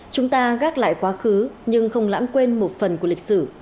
chúng ta gác lại quá khứ nhưng không lãng quên một phần của lịch sử